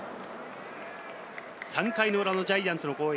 ３回の裏のジャイアンツの攻撃。